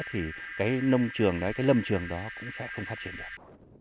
thì cái lâm trường đó cũng sẽ không phát triển được